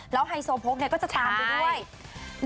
แล้วไฮโซโพกเนี่ยก็จะตามไปด้วย